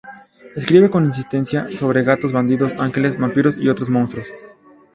Escribe con insistencia sobre gatos, bandidos, ángeles, vampiros y otros monstruos.